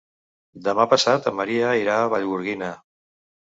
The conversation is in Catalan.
Demà passat en Maria irà a Vallgorguina.